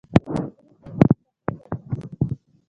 څېړونکي یې باید تحلیل او تفسیر کړي.